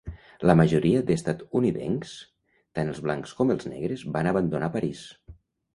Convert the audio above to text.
La majoria d'estatunidencs, tant els blancs com els negres, van abandonar París.